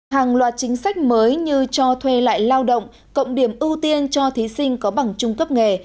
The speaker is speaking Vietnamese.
hàng loạt chính sách mới như cho thuê lại lao động cộng điểm ưu tiên cho thí sinh có bằng trung cấp nghề